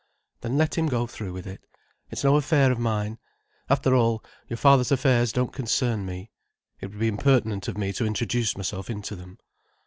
"Then let him go through with it. It's no affair of mine. After all, your father's affairs don't concern me. It would be impertinent of me to introduce myself into them."